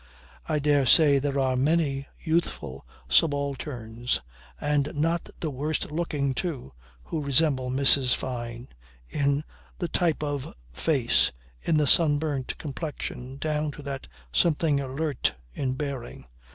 I dare say there are many youthful subalterns, and not the worst looking too, who resemble Mrs. Fyne in the type of face, in the sunburnt complexion, down to that something alert in bearing.